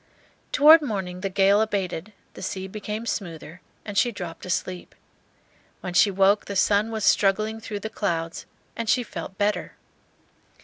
Toward morning the gale abated, the sea became smoother, and she dropped asleep. When she woke the sun was struggling through the clouds, and she felt better.